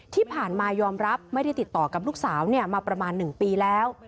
ที่ผ่านมายอมรับไม่ได้ติดต่อกับลูกสาวมาประมาณ๑ปีแล้ว